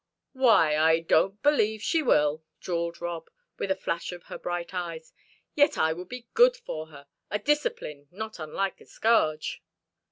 "Why, I don't believe she will," drawled Rob, with a flash of her bright eyes. "Yet I would be good for her; a discipline, not unlike a scourge."